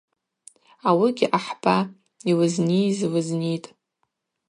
Ауыгьи ахӏба йлызнийыз лызнитӏ.